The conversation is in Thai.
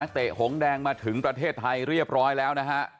เตะหงแดงมาถึงประเทศไทยเรียบร้อยแล้วนะฮะ